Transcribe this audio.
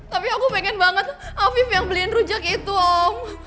tapi aku pengen banget afif yang beliin rujak itu om